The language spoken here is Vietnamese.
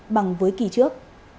bằng với kỳ trước